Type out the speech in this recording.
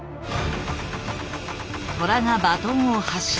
トラがバトンを発射。